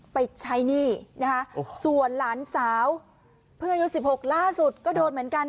ไปใช้หนี้นะคะส่วนหลานสาวเพื่อนอายุสิบหกล่าสุดก็โดนเหมือนกัน